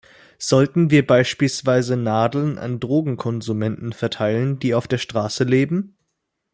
Sollten wir beispielsweise Nadeln an Drogenkonsumenten verteilen, die auf der Straße leben?